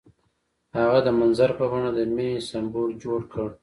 هغه د منظر په بڼه د مینې سمبول جوړ کړ.